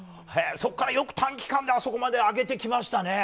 そこからよく短期間であそこまで上げてきましたね。